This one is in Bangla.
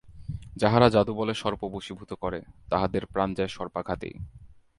যাহারা যাদুবলে সর্প বশীভূত করে, তাহাদের প্রাণ যায় সর্পাঘাতেই।